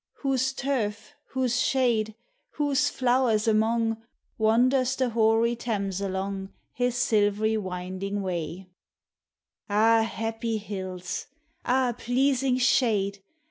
Whose turf, whose shade, whose flowers among Wanders the hoary Thames along His silvery winding way: Ah, happy hills! ah, pleasing shade!